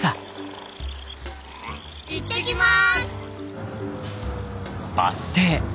行ってきます！